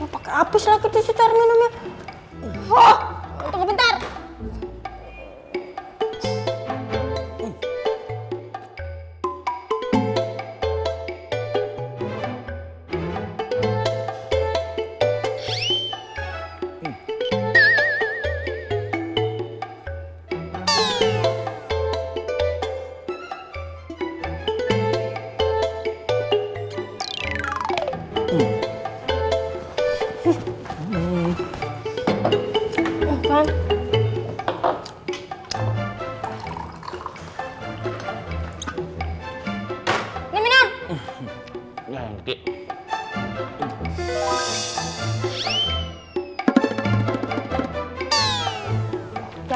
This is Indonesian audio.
pake abis lagi disitu wih ternyata deputy